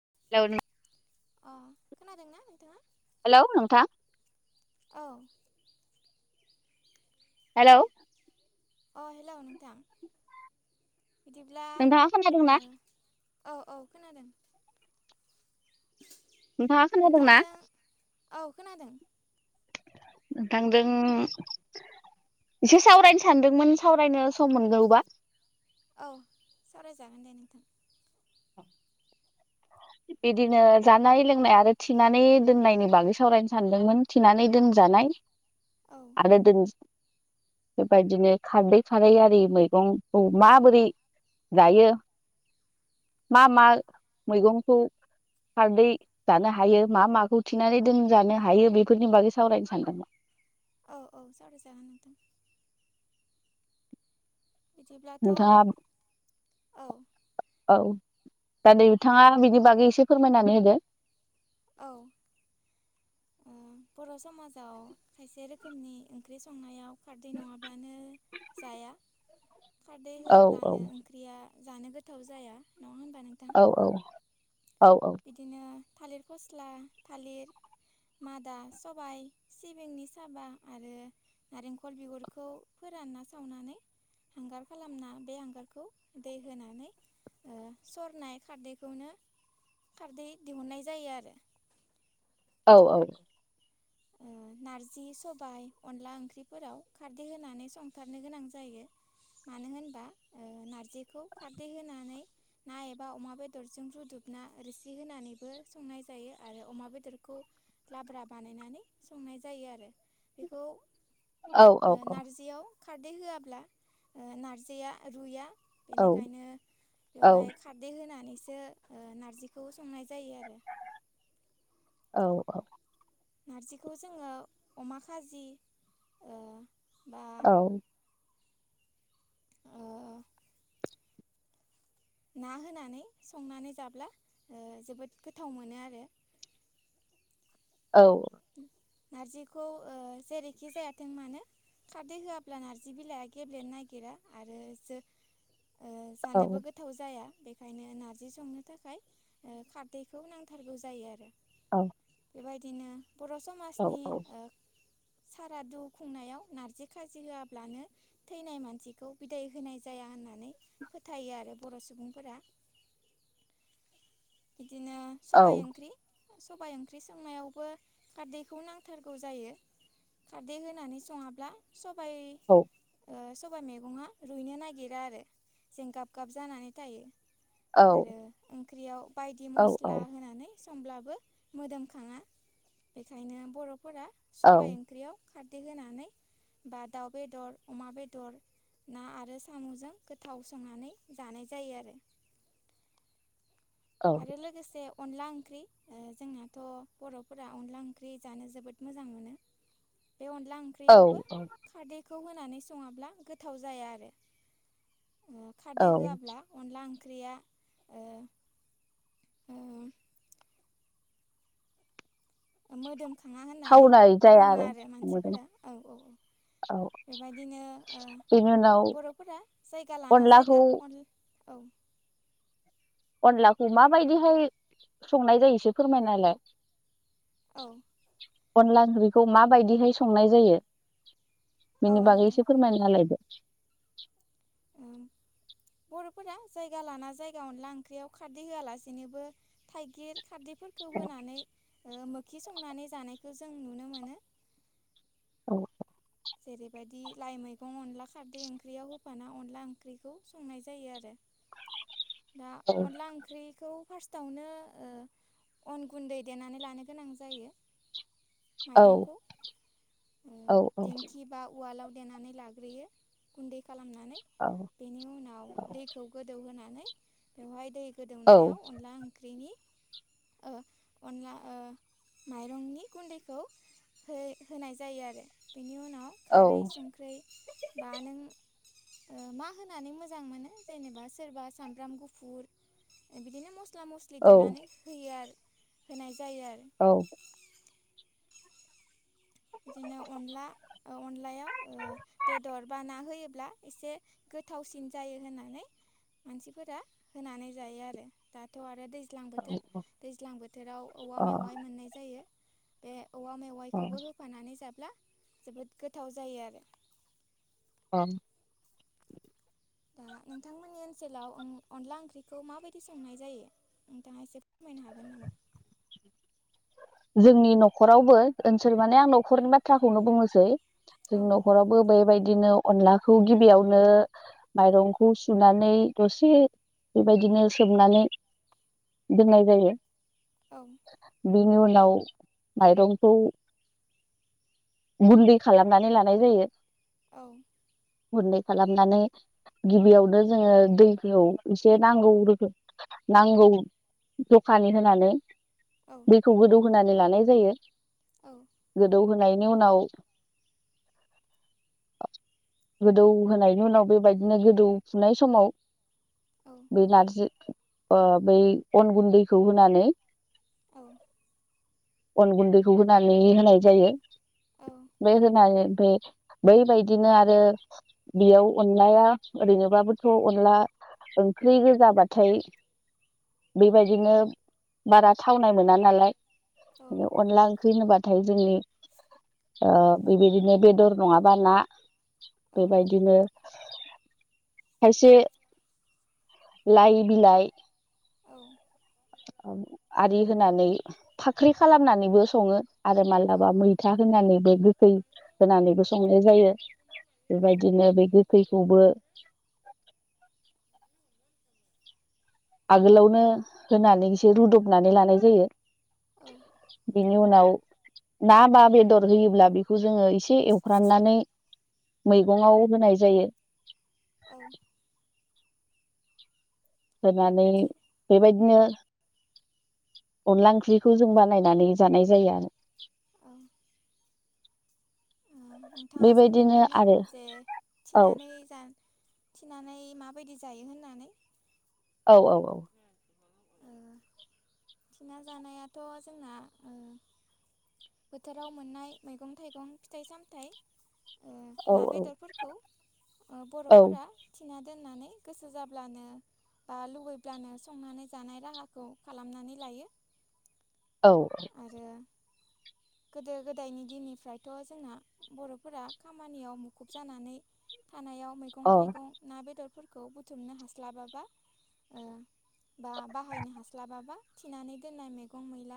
[unintelligible] [inaudible] खोनादोंना नोंथाङा? हेलौ नोंथां। औ हेलौ। अ हेलौ नोंथां। बिदिब्ला नोंथाङा ओ खोनादोंना? औ औ खोनादों। नोंथाङा खोनादोंना? नोंथांजों औ खोनादों। नोंथांजों एसे सावरायनो सानदोंमोन सावरायनो सम मोनगौबा? औ सावरायजागोन दे नोंथां। बिदिनो जानाय लोंनाय आरो थिनानै दोननायनि बागै सावरायनो सानदोंमोन थिनानै दोनजा जानाय औ आरो दोनज बेबायदिनो खारदै खारै आरि मैगंखौ माबोरै जायो मा मा मैगंखौ खारदै जानो हायो मा माखौ थिनानै दोनजानो हायो बेफोरनि बागै सावरायनो सानदोंमोन। औ औ सावराय जागोन नोंथां। बिदिब्लाथ' नोंथाङा औ। औ दा दै थाङा बिनि बागै एसे फोरमायनानै होदो। औ बर' समाजाव खायसे रोखोमनि ओंख्रि संनायाव खारदै नङाब्लानो जाया खारदै औ औ होआब्लानो ओंख्रिया जानो गोथाव जाया। नङा होनबा नोंथां औ औ बिदिनो थालिर फस्ला थालिर मादा सबाइ सिबिंनि साबा आरो नारेंखल बिगुरखौ फोरानना सावनानै हांगार खालामना बे हांगारखौ दै होनानै ओ सरनाय खारदैखौनो खारदै दिहुननाय जायो आरो। औ-औ [inaudible] नारजि सबाय अनला ओंख्रिफोराव खारदै होनानै संथारनो गोनां जायो मानो होनबा ओ नारजिखौ खारदै होनानै ना एबा अमा बेदरजों रुदुबना रोसि होनानैबो संनाय जायो आरो अमा बेदरखौ लाब्रा बानायनानै संनाय जायो आरो बेखौ ओ औ-औ-औ नारजियाव खारदै होआब्ला ओ नारजिया रुइया औ बेनिखायनो औ बेवहाय खारदै होनानैसो नारजिखौबो संनाय जायो आरो औ-औ नारजिखौ जोङो अमा खाजि ओ बा औ ओ ना होनानै संनानै जाब्ला ओ जोबोद गोथाव मोनो आरो [inaudible] औ नारजिखौ ओ जेरैखि जायाथों मानो खारदै होआब्ला नार्जि बिलाइआ गेब्लेनो नागिरा आरो जो ओ जानोबो गोथाव जाया बेखायनो नारजि संनो थाखाय ओ खारदैखौ नांथारगौ जायो आरो औ बेबायदिनो बर औ समाजनि ओ सारादु खुंनायाव नारजि खाजि होआब्लानो थैनाय मानसिखौ बिदाय होनाय जाया होननानै फोथायो आरो बर सुबुंफोरा बिदिनो सबाइ ओंख्रि सबाइ ओंख्रि संनायावबो खारदैखौ नांथारगौ जायो खारदै होनानै सङाब्ला सब औ बाय मैगङा रुइनो नागिरा आरो जों गाब गाब जानानै थायो आरो ओंख्रियाव बायदि मस्ला होनानै समब्लाबो मोदोमखाङा बेखायनो बर फोरा सबाइ ओंख्रियाव खारदै होनानै बा दाउ बेदर अमा बेदर ना आरो साम जों गोथाव संनानै जानाय जायो आरो औ आरो लोगोसे अनला ओंख्रि ओ जोंनाथ बर फोरा अनला ओंख्रि जानो जोबोद मोजां मोनो [inaudible] बे अनला औ ओंख्रियावबो खारदैखौ होनानै सङाब्ला गोथाव जाया आरो ओ खारदै औ होआब्ला अनला ओंख्रिया ओ ओ मोदोमखाङा होननानै थावनाय जाया बुङो आरो मोदोम। मानसिफोरा औ औ-औ औ बेबायदिनो ओ बेनि उनाव बर फोरा जायगा लाना अनलाखौ जायगा अन औ अनलाखौ माबायदिहाय संनाय जायो इसे फोरमायना होलाय औ अनला ओंख्रिखौ माबायदिहाय संनाय जायो औ बेनि बागै नोंथां एसे फोरमायनालायदो [inaudible] [inaudible] बरफोरा जायगा लाना जायगा अनला ओंख्रियाव खारदै होआलासेनोबो थाइगिर खारदै फोरखौ होनानै मोखि संनानै जानायखौ जों नुनो मोनो [inaudible] जेरैबायदि लाइ मैगं अनला खारदै ओंख्रियाव होफाना अनला ओंख्रिखौ संनाय जायो आरो दा अनला ओंख्रैखौ फार्स्टआवनो ओ अन गुन्दै देनानै लानो गोनां जायो। औ माइरंखौ ओ औ देंखिबा उवालाव देनानै लाग्रोयो गुन्दै खालामनानै औ बेनि उनाव दैखौ गोदौहोनानै बेवहाय दै औ गोदौनायाव अनला ओंख्रिनि ओ अनला ओ माइरंनि गुन्दैखौ हो-होनाय जायो आरो बेनि उनाव औ खारै संख्रै बा नों ओ मा होनानै मोजां मोनो जेनेबा सोरबा सामब्राम गुफुर बिदिनो मस्ला मस्लि औ देनानै होयो आरो होनाय जायो आरो औ बिदिनो अनला औ अनलायाव ओ बेदर बा ना होयो ब्ला एसे गोथावसिन जायो होननानै मानसिफोरा होनानै जायो आरो दाथ' आरो दैज्लां बोथोर दैज्लां बोथोराव औवा औ अ मेवाइ मोननाय जायो बे औवा अ मेवाइखौबो होफानानै जाब्ला जोबोद गोथाव जायो आरो ओं दा नोंथांमोननि ओनसोलाव अनला ओंख्रिखौ माबायदि संनाय जायो नोंथाङा एसे फोरमायनो हागोन नामा? [inaudible] जोंनि न'खरावबो ओनसोल माने आं न'खरनि बाथ्राखौनो बुंनोसै जोंनि औ न'खरावबो बेबाय दिनो अनलाखौ गिबियावनो माइरंखौ सुनानै दसे बेबायदिनो सोमनानै दोननाय जायो। औ नाव माइरंखौ गुन्दै खालामनानै लानाय जायो। औ गुन्दै खालामनानै गिबियावनो जोङो दैखौ एसे नांगौ रोखो नांगौ जखानि होनानै औ दैखौ गोदौ होनानै लानाय जायो औ गोदौ होनाय नि उनाव गोदौ होनायनि उनाव बेबायदिनो गोदौफुनाय समाव औ बे नारजि ओ बै अन गुन्दैखौ होनानै औ अन गुन्दैखौ होनानै होनाय जायो औ बै होनानै बे बैबायदिनो आरो बेयाव अनलाया ओरैनोबाबोथ' अनला ओंख्रि गोजाबाथाय बेबायदिनो बारा थावनाय मोना नालाय अनला ओंख्रि होनोबा थाय जोंनि ओ बेबायदिनो बेदर नङाबा ना बेबायदिनो खायसे लाइ बिलाइ आरि होनानै फाख्रि खालामनानैबो सङो आरो मालाबा औ मैथा होनानैबो गोखै होनानैबो संनाय जायो। औ बेबायदिनो बे गोखैखौबो आगोलावनो होनानै एसे रुदबनानै लानाय जायो। औ बिनि उनाव ना बा बेदर होयोब्ला बेखौ जोङो एसे एवफ्रामनानै मैगंआव होनाय जायो। औ होनानै बिदि बेबायदिनो अनला ओंख्रिखौ जों बानायनानै जानाय जायो आरो औ ओ नोंथाङा बेबायदिनो सोंदोंमोन ना आरो जे औ थिनानै जानो थिनानै माबायदि जायो होननानै औ औ औ थिनानै जानायाथ' जोंना ओ बोथोराव मोननाय मैगं थाइगं फिथाइ सामथायाइ ओ औ ना बेदरफोरखौ ओ औ बर'फोरा थिना दोननानै गोसो जाब्लानो बा लुबैब्लानो संनानै जानाय राहाखौ खालामनानै लायो औ आरो गोदो गोदायनि दिननिफ्रायथ' जोंना बर'फोरा खामानियाव मुखुब जानानै खानायाव मैगं औ थाइगं ना बेदरफोरखौ बुथुमनो हास्लाबाबा ओ बा बाहायनो हास्लाबाबा थिनानै दोननाय मैगं मैला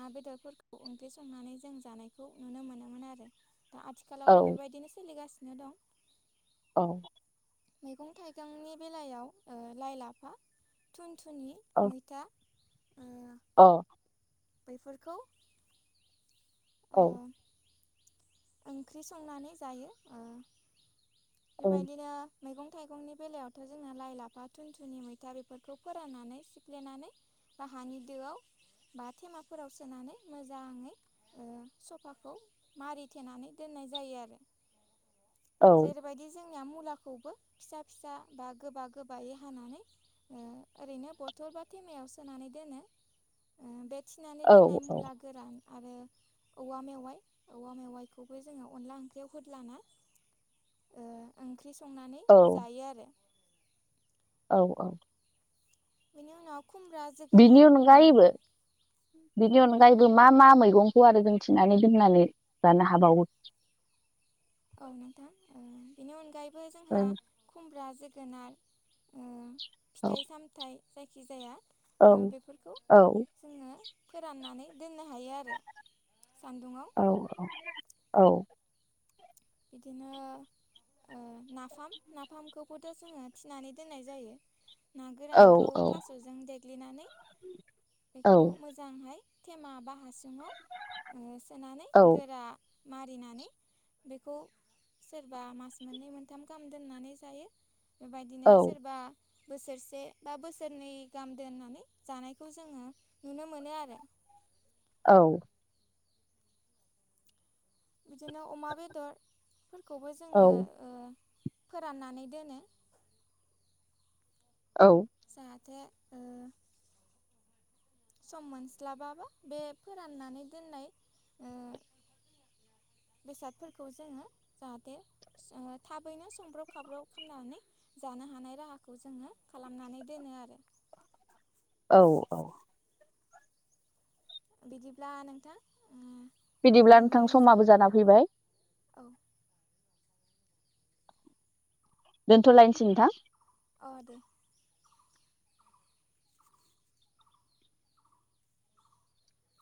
ना बेदरफोरखौ ओंख्रि संनानै जों जानायखौ नुनो मोनोमोन आरो दा अ आथिखालावबो औ बेबायदिनो सोलिगासिनो दं औ मैगं थाइगंनि बेलायाव ओ लाइ लाफा थुनथुनि मैथा ओ अ बैफोरखौ ओ औ ओंख्रि संनानै जायो ओ बेबायदिनो मैगं थाइगंनि बेलायावथ' जोंङो लाइ लाफा थुनथुनि मैथा बेफोरखौ फोराननानै सिफ्लेनानै बा हानि दोआव बा थेमाफोराव सोनानै मोजाङै ओ सफाखौ मारिथेनानै दोननाय जायो आरो जेरैबायदि जों जोंनि मुलाखौबो फिसा फिसा बा गोबा गोबायै हानानै ओ ओरैनो बरथ सोरलबा थेमायाव सोनानै दोनो ओ बे थिनानै दोननाय मुला गोरान आरो औवा मेवाइ औवा मेवाइखौबो जोङो अनला ओंख्रियाव होद्लाना ओ ओंख्रि संनानै औ जायो आरो औ औ बिनि उनाव खुमब्रा बिनि जोगोनार ओ अनगायैबो औ बिनि अनगायैबो मा मा मैगं आरो जों थिनानै दोननानै जानो हाबावो औ नोंथां ओ बेनि अनगायै उ गोनार ओ औ फिथाइ सामथाइ जायखिजाया ओ औ बेफोरखौ औ जोङो फोराननानै दोननो हायो आरो सान्दुंङआव औ औ बिदिनो ओ नाफाम नाफामखौबोथ' जोङो थिनानै दोननाय जायो ना औ गोरानखौ थास'जों देग्लिनानै औ बेखौ मोजांहाय थेमा बा हासुङाव ओ सोनानै औ गोरा मारिनानै बेखौ सोरबा मास मोननै मोनथाम गाहाम दोननानै जायो बेबायदिनो औ सोरबा बोसोरसे बा बोसोरनै गाहाम दोननानै जानायखौ जोङो नुनो मोनो आरो औ। बिदिनो अमा बेदरफोरखौबो औ जोङो ओ फोराननानै दोनो। औ। जाहाथे ओ सम मोनस्लाबाबा बे फोराननानै दोननाय ओ [unintelligible] बेसादफोरखौ जोङो जाहाथे ओ थाबैनो संब्रब खावब्रब फुननानै जा नो हानाय राहाखौ जोङो खालामनानै दोनो आरो। औ औ। बिदिब्ला नोंथां उम। बिदिब्ला नोंथां दिनैनि साव समाबो जाना फैबाय। औ। दोनथ'लायनोसै नोंथां। अ दे।